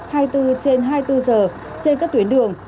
và trên hai mươi bốn giờ trên các tuyến đường